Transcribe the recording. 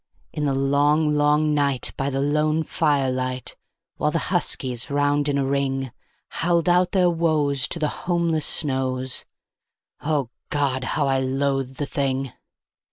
In the long, long night, by the lone firelight, while the huskies, round in a ring, Howled out their woes to the homeless snows O God! how I loathed the thing.